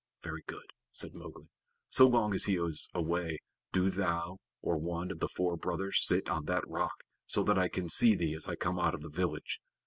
"Very good," said Mowgli. "So long as he is away do thou or one of the four brothers sit on that rock, so that I can see thee as I come out of the village.